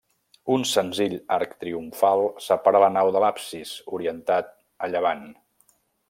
Un senzill arc triomfal separa la nau de l'absis, orientat a llevant.